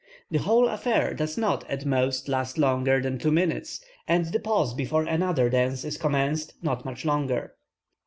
The whole affair does not, at most, last longer than two minutes, and the pause before another dance is commenced not much longer.